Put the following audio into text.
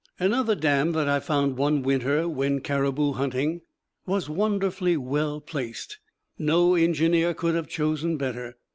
Another dam that I found one winter when caribou hunting was wonderfully well placed. No engineer could have chosen better.